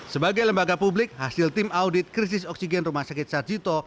sebagai lembaga publik hasil tim audit krisis oksigen rumah sakit sarjito